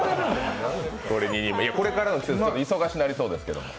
これからの季節、忙しくなりそうですけど。